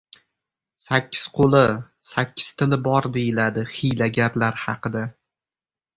• Sakkiz qo‘li, sakkiz tili bor deyiladi hiylagarlar haqida.